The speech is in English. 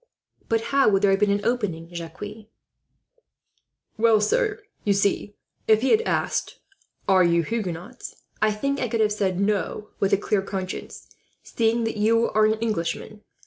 "But how would there have been an opening, Jacques?" "Well, sir, you see, if he had asked, 'Are you Huguenots?' I think I could have said 'No,' with a clear conscience, seeing that you are an Englishman.